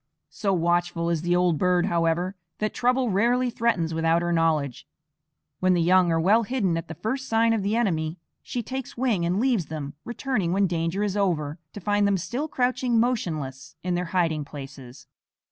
So watchful is the old bird, however, that trouble rarely threatens without her knowledge. When the young are well hidden at the first sign of the enemy, she takes wing and leaves them, returning when danger is over to find them still crouching motionless in their hiding places.